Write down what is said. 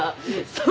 そう。